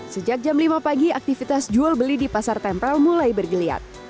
sejak jam lima pagi aktivitas jual beli di pasar tempel mulai bergeliat